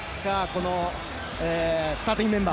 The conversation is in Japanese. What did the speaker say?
このスターティングメンバー。